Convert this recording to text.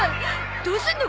どうすんの？